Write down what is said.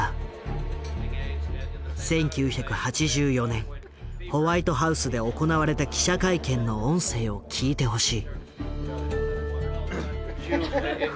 １９８４年ホワイトハウスで行われた記者会見の音声を聞いてほしい。